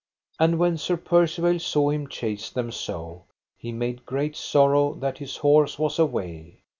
And when Sir Percivale saw him chase them so, he made great sorrow that his horse was away.